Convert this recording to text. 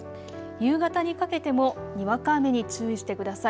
夕方にかけてもにわか雨に注意してください。